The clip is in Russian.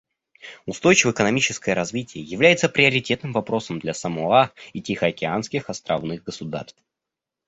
Устойчивое экономическое развитие является приоритетным вопросом для Самоа и тихоокеанских островных государств.